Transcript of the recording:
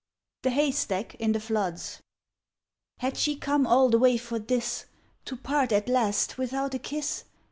THE HAYSTACK IN THE FLOODS Had she come all the way for this, To part at last without a kiss?